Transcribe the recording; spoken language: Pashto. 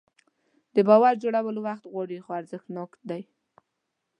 د باور جوړول وخت غواړي خو ارزښتناک دی.